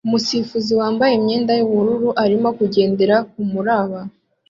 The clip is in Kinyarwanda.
Umusifuzi wambaye imyenda yubururu arimo kugendera kumuraba